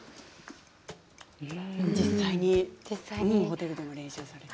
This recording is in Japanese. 実際にホテルでも練習されて。